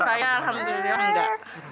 saya alhamdulillah enggak